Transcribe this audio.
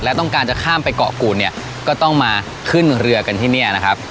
และต้องการจะข้ามไปเกาะกูดเนี่ยก็ต้องมาขึ้นเรือกันที่เนี่ยนะครับ